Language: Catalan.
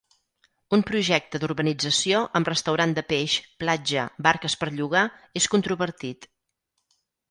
Un projecte d'urbanització amb restaurant de peix, platja, barques per llogar és controvertit.